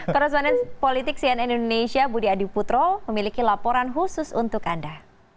korresponden politik cnn indonesia budi adiputro memiliki laporan khusus untuk anda